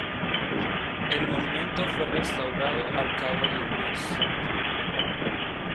El monumento fue restaurado al cabo de un mes.